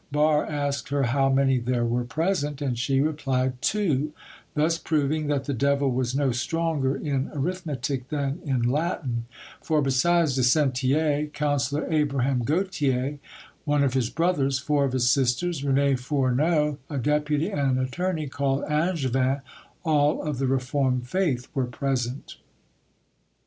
Barre asked her how many there were present, and she replied, "Two," thus proving that the devil was no stronger in arithmetic than in Latin; for besides Dessentier, Councillor Abraham Gauthier, one of his brothers, four of his sisters, Rene Fourneau, a deputy, and an attorney called Angevin, all of the Reformed faith, were present.